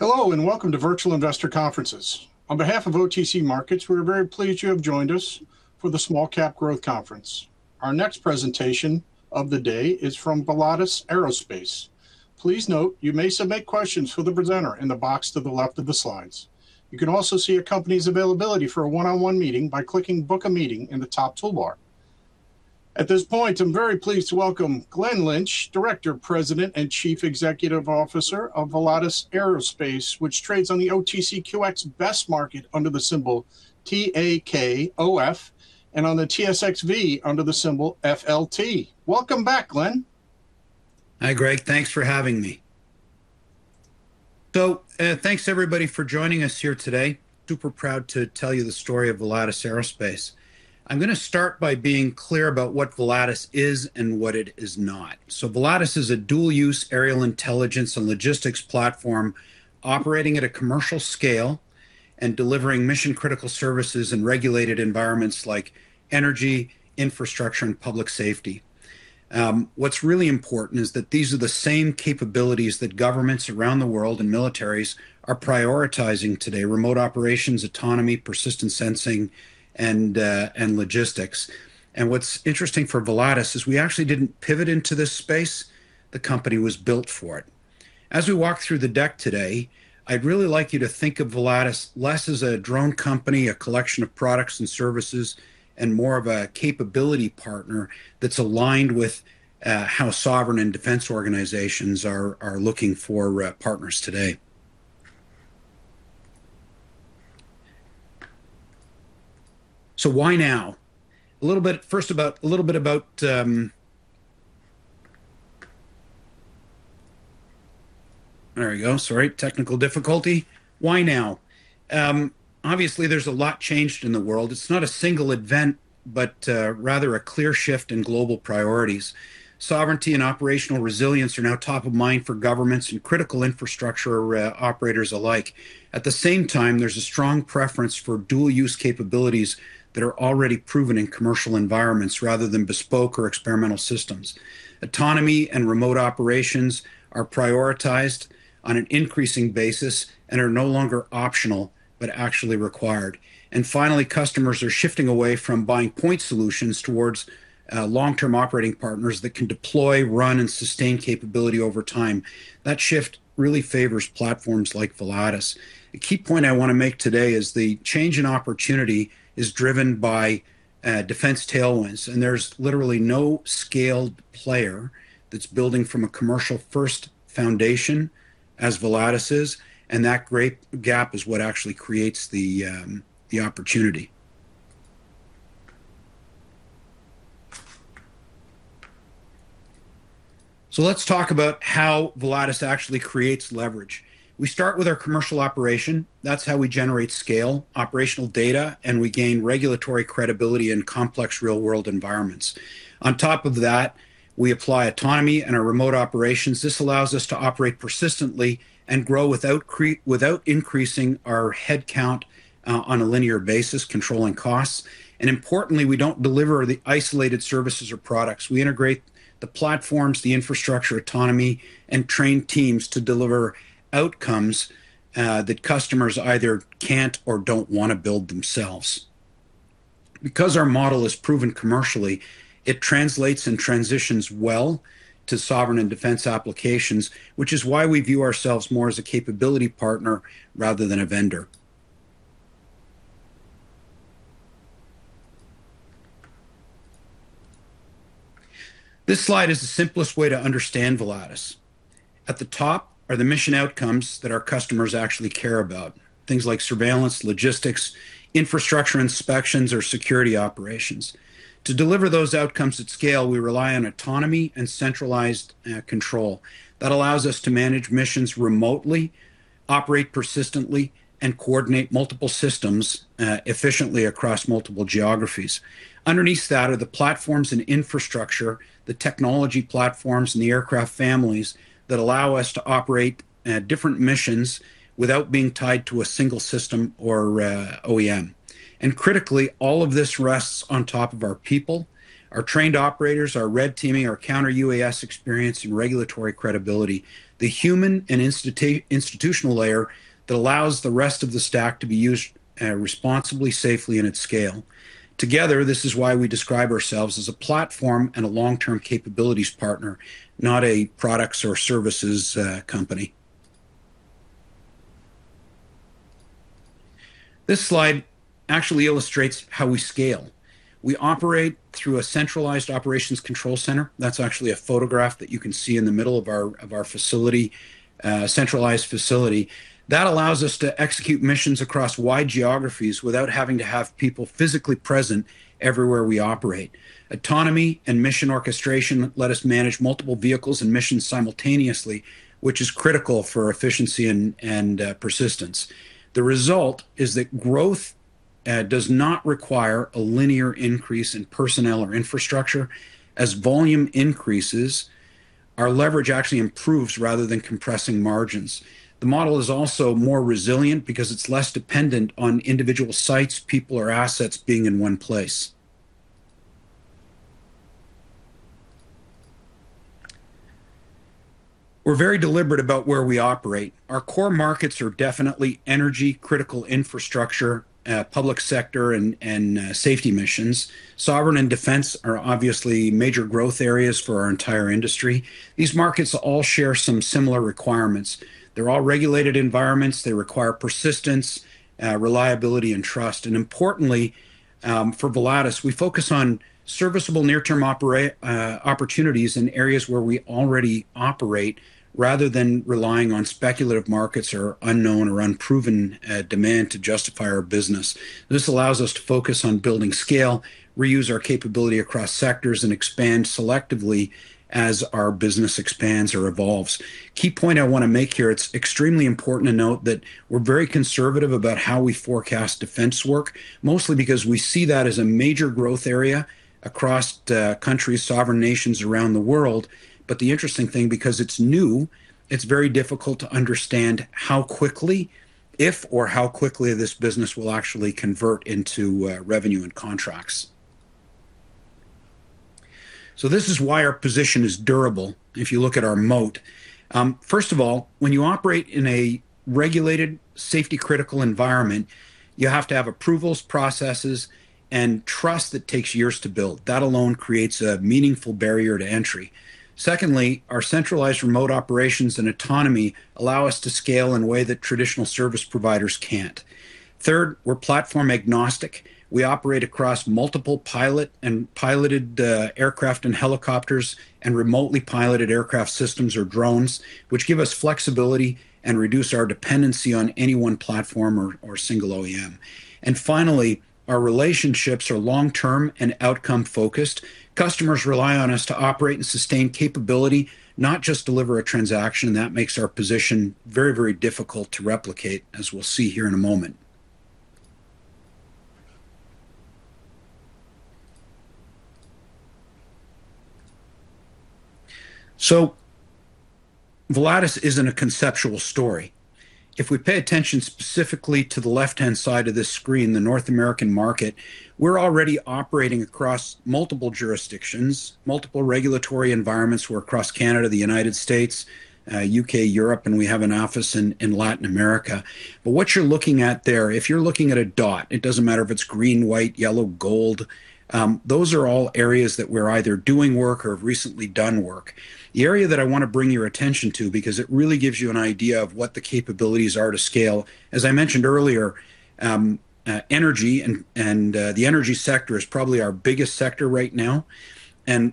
Hello, and welcome to Virtual Investor Conferences. On behalf of OTC Markets, we're very pleased you have joined us for the Small Cap Growth Conference. Our next presentation of the day is from Volatus Aerospace. Please note, you may submit questions for the presenter in the box to the left of the slides. You can also see a company's availability for a one-on-one meeting by clicking Book a Meeting in the top toolbar. At this point, I'm very pleased to welcome Glen Lynch, Director, President, and Chief Executive Officer of Volatus Aerospace, which trades on the OTCQX Best Market under the symbol TAKOF, and on the TSXV under the symbol FLT. Welcome back, Glen. Hi, Greg. Thanks for having me. So, thanks everybody for joining us here today. Super proud to tell you the story of Volatus Aerospace. I'm gonna start by being clear about what Volatus is and what it is not. So Volatus is a dual-use aerial intelligence and logistics platform operating at a commercial scale and delivering mission-critical services in regulated environments like energy, infrastructure, and public safety. What's really important is that these are the same capabilities that governments around the world and militaries are prioritizing today: remote operations, autonomy, persistent sensing, and logistics. And what's interesting for Volatus is we actually didn't pivot into this space, the company was built for it. As we walk through the deck today, I'd really like you to think of Volatus less as a drone company, a collection of products and services, and more of a capability partner that's aligned with how sovereign and defense organizations are looking for partners today. So why now? There we go. Sorry, technical difficulty. Why now? Obviously, there's a lot changed in the world. It's not a single event, but rather a clear shift in global priorities. Sovereignty and operational resilience are now top of mind for governments and critical infrastructure operators alike. At the same time, there's a strong preference for dual-use capabilities that are already proven in commercial environments rather than bespoke or experimental systems. Autonomy and remote operations are prioritized on an increasing basis and are no longer optional, but actually required. Finally, customers are shifting away from buying point solutions towards long-term operating partners that can deploy, run, and sustain capability over time. That shift really favors platforms like Volatus. A key point I want to make today is the change in opportunity is driven by defense tailwinds, and there's literally no scaled player that's building from a commercial-first foundation as Volatus is, and that great gap is what actually creates the opportunity. Let's talk about how Volatus actually creates leverage. We start with our commercial operation. That's how we generate scale, operational data, and we gain regulatory credibility in complex real-world environments. On top of that, we apply autonomy and our remote operations. This allows us to operate persistently and grow without increasing our headcount on a linear basis, controlling costs. Importantly, we don't deliver the isolated services or products. We integrate the platforms, the infrastructure, autonomy, and train teams to deliver outcomes that customers either can't or don't want to build themselves. Because our model is proven commercially, it translates and transitions well to sovereign and defense applications, which is why we view ourselves more as a capability partner rather than a vendor. This slide is the simplest way to understand Volatus. At the top are the mission outcomes that our customers actually care about, things like surveillance, logistics, infrastructure inspections, or security operations. To deliver those outcomes at scale, we rely on autonomy and centralized control. That allows us to manage missions remotely, operate persistently, and coordinate multiple systems efficiently across multiple geographies. Underneath that are the platforms and infrastructure, the technology platforms, and the aircraft families that allow us to operate different missions without being tied to a single system or OEM. And critically, all of this rests on top of our people, our trained operators, our red teaming, our counter UAS experience, and regulatory credibility. The human and institutional layer that allows the rest of the stack to be used responsibly, safely, and at scale. Together, this is why we describe ourselves as a platform and a long-term capabilities partner, not a products or services company. This slide actually illustrates how we scale. We operate through a centralized operations control center. That's actually a photograph that you can see in the middle of our facility, centralized facility. That allows us to execute missions across wide geographies without having to have people physically present everywhere we operate. Autonomy and mission orchestration let us manage multiple vehicles and missions simultaneously, which is critical for efficiency and, and, persistence. The result is that growth does not require a linear increase in personnel or infrastructure. As volume increases, our leverage actually improves rather than compressing margins. The model is also more resilient because it's less dependent on individual sites, people, or assets being in one place. We're very deliberate about where we operate. Our core markets are definitely energy, critical infrastructure, public sector, and, and, safety missions. Sovereign and defense are obviously major growth areas for our entire industry. These markets all share some similar requirements. They're all regulated environments. They require persistence, reliability, and trust. Importantly, for Volatus, we focus on serviceable near-term opportunities in areas where we already operate, rather than relying on speculative markets or unknown or unproven demand to justify our business. This allows us to focus on building scale, reuse our capability across sectors, and expand selectively as our business expands or evolves. Key point I want to make here, it's extremely important to note that we're very conservative about how we forecast defense work, mostly because we see that as a major growth area across countries, sovereign nations around the world. But the interesting thing, because it's new, it's very difficult to understand how quickly, if or how quickly this business will actually convert into revenue and contracts. So this is why our position is durable if you look at our moat. First of all, when you operate in a regulated, safety-critical environment, you have to have approvals, processes, and trust that takes years to build. That alone creates a meaningful barrier to entry. Secondly, our centralized remote operations and autonomy allow us to scale in a way that traditional service providers can't. Third, we're platform agnostic. We operate across multiple pilot and piloted aircraft and helicopters and remotely piloted aircraft systems or drones, which give us flexibility and reduce our dependency on any one platform or single OEM. And finally, our relationships are long-term and outcome-focused. Customers rely on us to operate and sustain capability, not just deliver a transaction, and that makes our position very, very difficult to replicate, as we'll see here in a moment. So Volatus isn't a conceptual story. If we pay attention specifically to the left-hand side of this screen, the North American market, we're already operating across multiple jurisdictions, multiple regulatory environments. We're across Canada, the United States, U.K., Europe, and we have an office in Latin America. But what you're looking at there, if you're looking at a dot, it doesn't matter if it's green, white, yellow, gold, those are all areas that we're either doing work or have recently done work. The area that I want to bring your attention to, because it really gives you an idea of what the capabilities are to scale, as I mentioned earlier, energy and the energy sector is probably our biggest sector right now.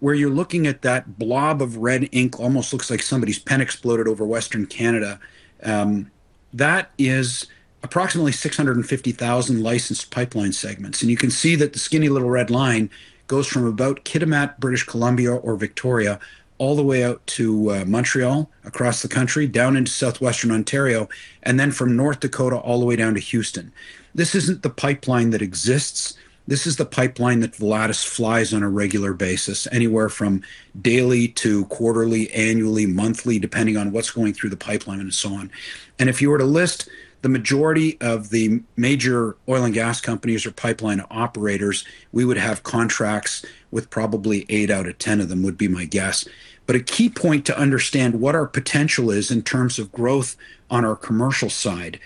Where you're looking at that blob of red ink, almost looks like somebody's pen exploded over Western Canada, that is approximately 650,000 licensed pipeline segments. And you can see that the skinny little red line goes from about Kitimat, British Columbia, or Victoria, all the way out to Montreal, across the country, down into Southwestern Ontario, and then from North Dakota, all the way down to Houston. This isn't the pipeline that exists. This is the pipeline that Volatus flies on a regular basis, anywhere from daily to quarterly, annually, monthly, depending on what's going through the pipeline and so on. And if you were to list the majority of the major oil and gas companies or pipeline operators, we would have contracts with probably eight out of 10 of them, would be my guess. But a key point to understand what our potential is in terms of growth on our commercial side.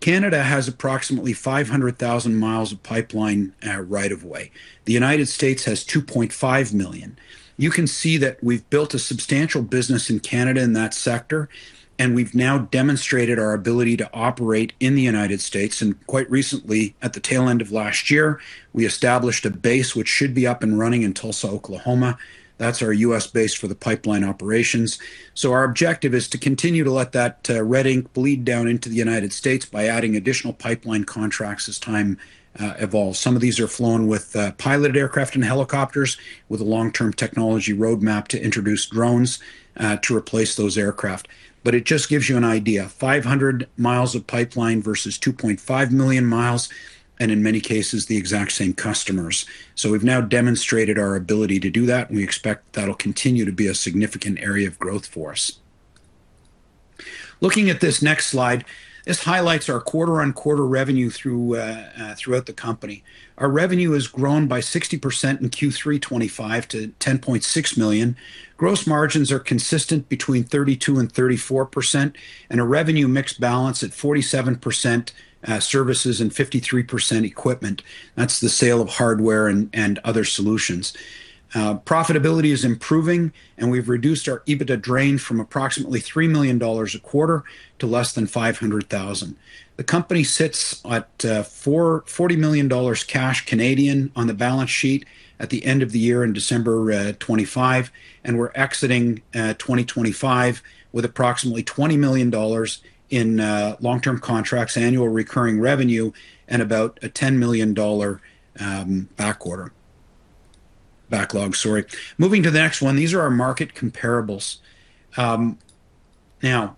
Canada has approximately 500,000 miles of pipeline right of way. The United States has 2.5 million. You can see that we've built a substantial business in Canada in that sector, and we've now demonstrated our ability to operate in the United States. Quite recently, at the tail end of last year, we established a base which should be up and running in Tulsa, Oklahoma. That's our U.S. base for the pipeline operations. Our objective is to continue to let that red ink bleed down into the United States by adding additional pipeline contracts as time evolves. Some of these are flown with piloted aircraft and helicopters with a long-term technology roadmap to introduce drones to replace those aircraft. But it just gives you an idea, 500 miles of pipeline versus 2.5 million miles, and in many cases, the exact same customers. So we've now demonstrated our ability to do that, and we expect that'll continue to be a significant area of growth for us. Looking at this next slide, this highlights our QoQ revenue throughout the company. Our revenue has grown by 60% in Q3 2025 to 10.6 million. Gross margins are consistent between 32% and 34%, and a revenue mix balance at 47% services and 53% equipment. That's the sale of hardware and other solutions. Profitability is improving, and we've reduced our EBITDA drain from approximately 3 million dollars a quarter to less than 500,000. The company sits at 40 million dollars on the balance sheet at the end of the year in December 2025, and we're exiting 2025 with approximately 20 million dollars in long-term contracts, annual recurring revenue, and about a ten million dollar backlog, sorry. Moving to the next one, these are our market comparables. Now,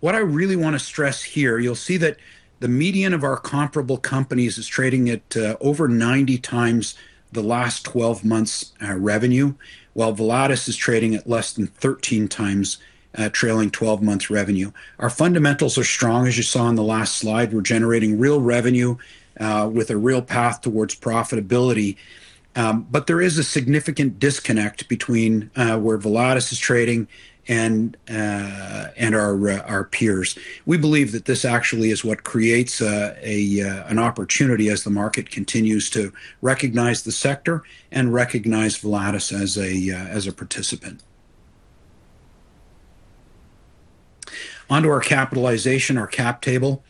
what I really want to stress here, you'll see that the median of our comparable companies is trading at over 90 times the last 12 months revenue, while Volatus is trading at less than 13 times trailing 12 months revenue. Our fundamentals are strong, as you saw in the last slide. We're generating real revenue with a real path towards profitability. But there is a significant disconnect between where Volatus is trading and our peers. We believe that this actually is what creates an opportunity as the market continues to recognize the sector and recognize Volatus as a participant. Onto our capitalization, our cap table.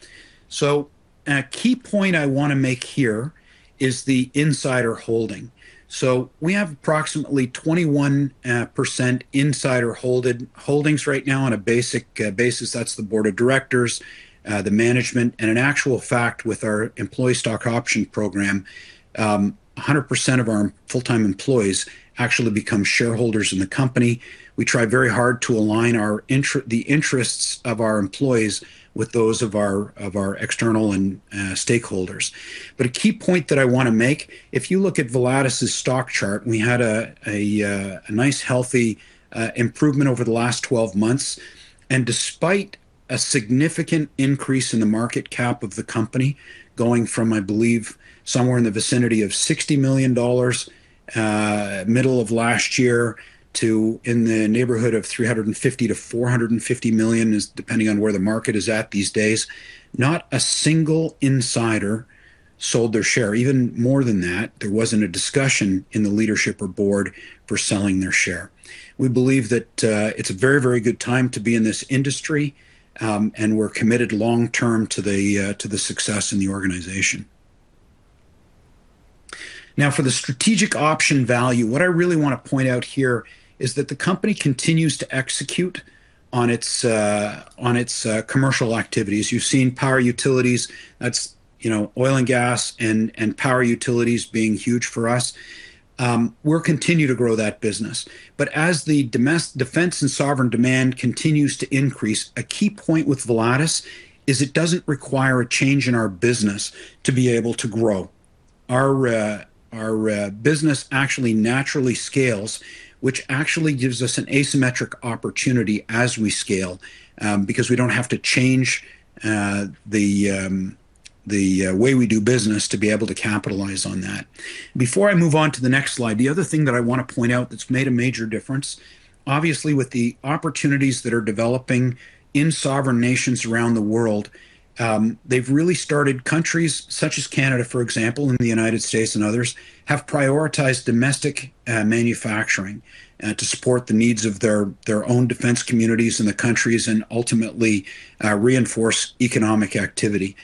So, a key point I wanna make here is the insider holding. So we have approximately 21% insider holdings right now on a basic basis. That's the board of directors, the management, and in actual fact, with our employee stock option program, 100% of our full-time employees actually become shareholders in the company. We try very hard to align the interests of our employees with those of our external and stakeholders. But a key point that I wanna make, if you look at Volatus's stock chart, we had a nice healthy improvement over the last 12 months. Despite a significant increase in the market cap of the company, going from, I believe, somewhere in the vicinity of $60 million middle of last year, to in the neighborhood of $350 million-$450 million, is depending on where the market is at these days, not a single insider sold their share. Even more than that, there wasn't a discussion in the leadership or board for selling their share. We believe that it's a very, very good time to be in this industry, and we're committed long term to the success in the organization. Now, for the strategic option value, what I really wanna point out here is that the company continues to execute on its commercial activities. You've seen power utilities, that's, you know, oil and gas and power utilities being huge for us. We'll continue to grow that business. But as the defense and sovereign demand continues to increase, a key point with Volatus is it doesn't require a change in our business to be able to grow. Our business actually naturally scales, which actually gives us an asymmetric opportunity as we scale, because we don't have to change the way we do business to be able to capitalize on that. Before I move on to the next slide, the other thing that I wanna point out that's made a major difference, obviously, with the opportunities that are developing in sovereign nations around the world, they've really started countries such as Canada, for example, and the United States and others, have prioritized domestic manufacturing to support the needs of their, their own defense communities and the countries, and ultimately reinforce economic activity.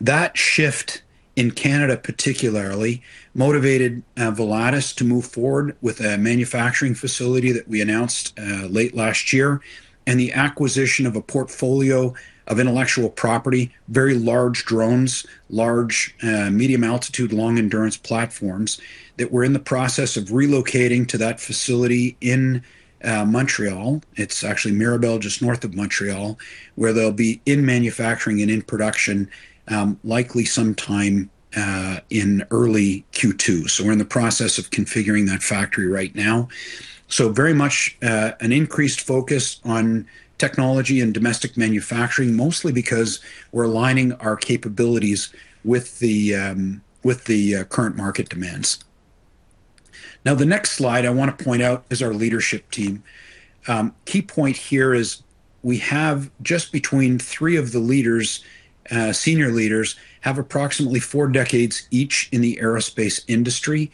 That shift in Canada, particularly, motivated Volatus to move forward with a manufacturing facility that we announced late last year, and the acquisition of a portfolio of intellectual property, very large drones, large medium altitude, long endurance platforms, that we're in the process of relocating to that facility in Montreal. It's actually Mirabel, just north of Montreal, where they'll be in manufacturing and in production, likely sometime in early Q2. So we're in the process of configuring that factory right now. So very much, an increased focus on technology and domestic manufacturing, mostly because we're aligning our capabilities with the current market demands. Now, the next slide I want to point out is our leadership team. Key point here is we have just between three of the leaders, senior leaders, have approximately four decades each in the aerospace industry.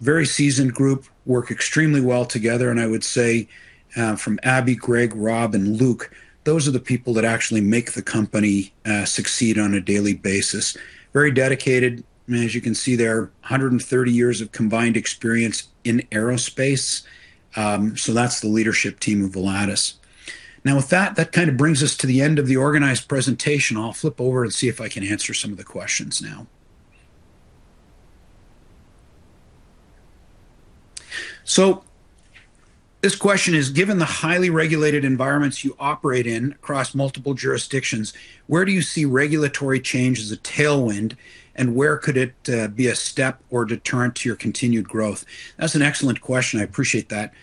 Very seasoned group, work extremely well together, and I would say, from Abby, Greg, Rob, and Luc, those are the people that actually make the company, succeed on a daily basis. Very dedicated, and as you can see there, 130 years of combined experience in aerospace. So that's the leadership team of Volatus. Now, with that, that brings us to the end of the organized presentation. I'll flip over and see if I can answer some of the questions now. So this question is: Given the highly regulated environments you operate in across multiple jurisdictions, where do you see regulatory change as a tailwind, and where could it be a step or deterrent to your continued growth? That's an excellent question. I appreciate that.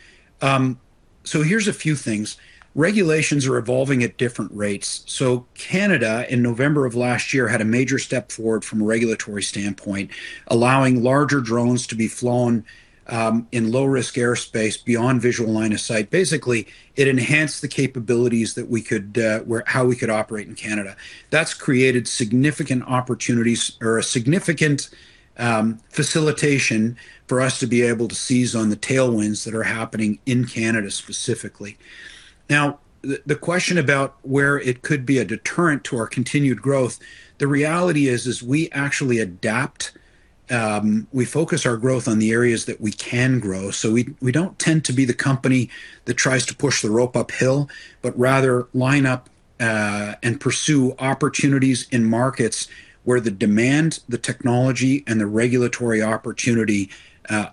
So here's a few things. Regulations are evolving at different rates. So Canada, in November of last year, had a major step forward from a regulatory standpoint, allowing larger drones to be flown in low-risk airspace beyond visual line of sight. Basically, it enhanced the capabilities that we could how we could operate in Canada. That's created significant opportunities or a significant facilitation for us to be able to seize on the tailwinds that are happening in Canada, specifically. Now, the question about where it could be a deterrent to our continued growth, the reality is we actually adapt. We focus our growth on the areas that we can grow. So we don't tend to be the company that tries to push the rope uphill, but rather line up and pursue opportunities in markets where the demand, the technology, and the regulatory opportunity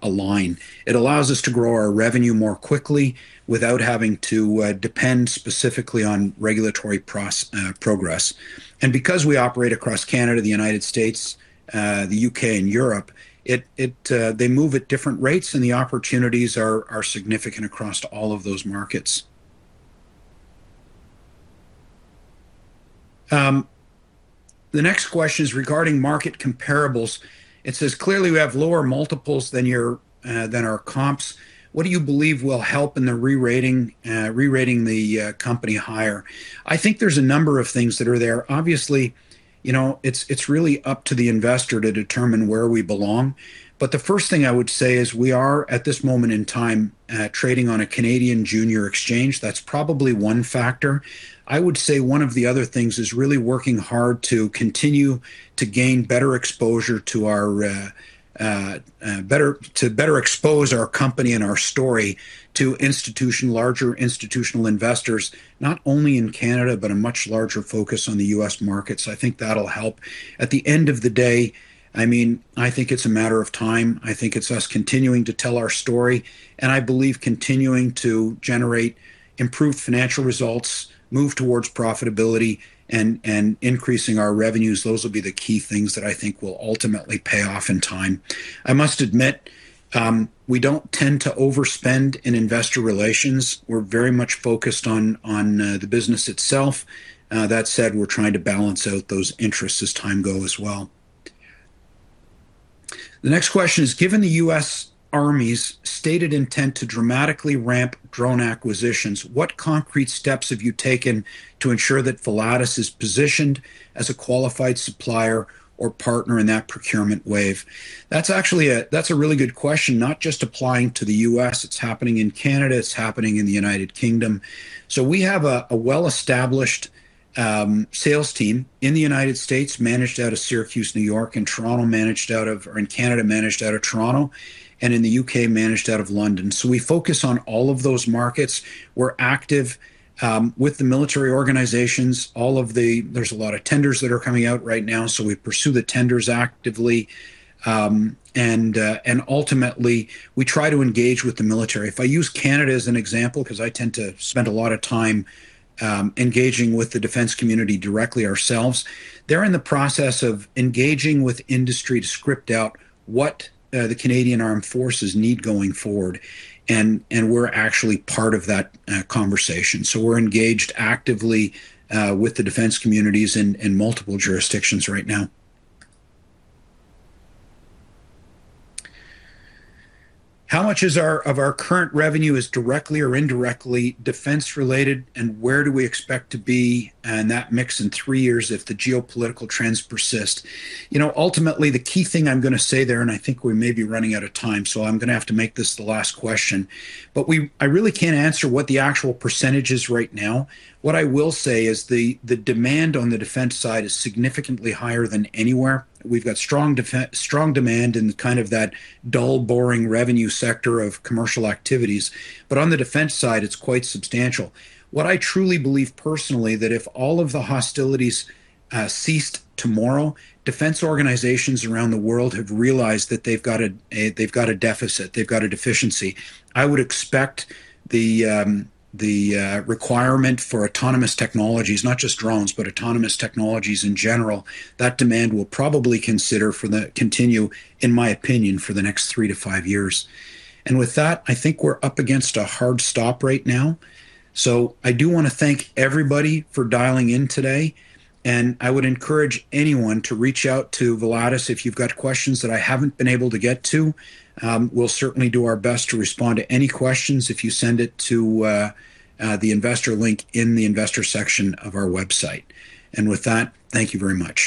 align. It allows us to grow our revenue more quickly without having to depend specifically on regulatory progress. And because we operate across Canada, the United States, the U.K., and Europe, they move at different rates, and the opportunities are significant across all of those markets. The next question is regarding market comparables. It says, "Clearly, we have lower multiples than your, than our comps. What do you believe will help in the re-rating, re-rating the company higher?" I think there's a number of things that are there. Obviously, you know, it's really up to the investor to determine where we belong. But the first thing I would say is we are, at this moment in time, trading on a Canadian junior exchange. That's probably one factor. I would say one of the other things is really working hard to continue to gain better exposure to our, to better expose our company and our story to institutional, larger institutional investors, not only in Canada, but a much larger focus on the US markets. I think that'll help. At the end of the day, I mean, I think it's a matter of time. I think it's us continuing to tell our story, and I believe continuing to generate improved financial results, move towards profitability, and increasing our revenues. Those will be the key things that I think will ultimately pay off in time. I must admit, we don't tend to overspend in investor relations. We're very much focused on the business itself. That said, we're trying to balance out those interests as time go as well. The next question is: "Given the US Army's stated intent to dramatically ramp drone acquisitions, what concrete steps have you taken to ensure that Volatus is positioned as a qualified supplier or partner in that procurement wave?" That's actually a really good question, not just applying to the US. It's happening in Canada, it's happening in the United Kingdom. So we have a well-established sales team in the United States, managed out of Syracuse, New York, and in Canada, managed out of Toronto, and in the U.K., managed out of London. So we focus on all of those markets. We're active with the military organizations. There's a lot of tenders that are coming out right now, so we pursue the tenders actively. And ultimately, we try to engage with the military. If I use Canada as an example, because I tend to spend a lot of time engaging with the defense community directly ourselves, they're in the process of engaging with industry to script out what the Canadian Armed Forces need going forward, and we're actually part of that conversation. So we're engaged actively with the defense communities in multiple jurisdictions right now. "How much of our current revenue is directly or indirectly defense-related, and where do we expect to be in that mix in three years if the geopolitical trends persist?" You know, ultimately, the key thing I'm gonna say there, and I think we may be running out of time, so I'm gonna have to make this the last question, but I really can't answer what the actual percentage is right now. What I will say is the demand on the defense side is significantly higher than anywhere. We've got strong demand in kind of that dull, boring revenue sector of commercial activities. But on the defense side, it's quite substantial. What I truly believe personally, that if all of the hostilities ceased tomorrow, defense organizations around the world have realized that they've got a deficit, they've got a deficiency. I would expect the requirement for autonomous technologies, not just drones, but autonomous technologies in general, that demand will probably consider for the-Continue, in my opinion, for the next three to five years. And with that, I think we're up against a hard stop right now. So I do wanna thank everybody for dialing in today, and I would encourage anyone to reach out to Volatus if you've got questions that I haven't been able to get to. We'll certainly do our best to respond to any questions if you send it to the investor link in the investor section of our website. With that, thank you very much.